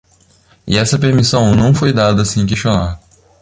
E essa permissão não foi dada sem questionar.